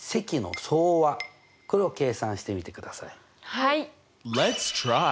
はい。